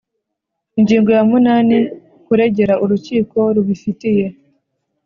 Ingingo ya munani Kuregera urukiko rubifitiye